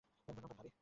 ধন্যবাদ, ভাবি।